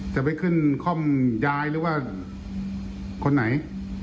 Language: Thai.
ไปขึ้นคล่อมยายหรือว่าคนไหน